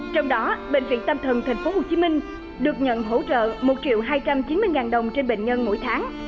trong đó bệnh viện tâm thần tp hcm được nhận hỗ trợ một hai trăm chín mươi đồng trên bệnh nhân mỗi tháng